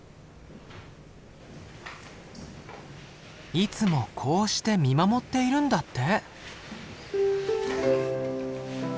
いつもこうして見守っているんだって。